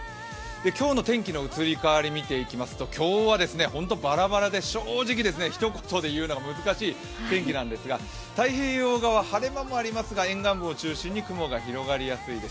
今日の天気の移り変わりを見ていきますと今日は本当ばらばらで、正直ひと言で言うのが難しい天気なんですが、太平洋側、晴れ間もありますが沿岸部を中心に雲が広がりやすいです。